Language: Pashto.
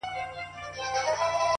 څوک انتظار کړي ستا د حُسن تر لمبې پوري